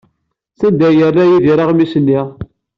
Sanda ay yerra Yidir aɣmis-nni?